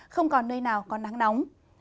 không còn nơi nào có nắng nóng